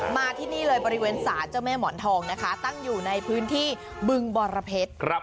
มาที่นี่เลยบริเวณศาลเจ้าแม่หมอนทองนะคะตั้งอยู่ในพื้นที่บึงบรเพชร